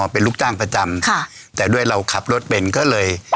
เป็นลูกจ้างประจำค่ะแต่ด้วยเราขับรถเป็นก็เลย